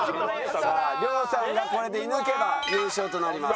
さあ亮さんがこれで射抜けば優勝となります。